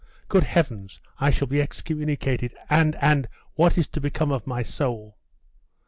'Good heavens! I shall be excommunicated! And and what is to become of my soul?